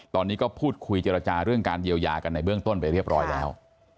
ตอนนี้ก็พูดคุยเจรจาเรื่องการเยียวยากันในเบื้องต้นไปเรียบร้อยแล้ว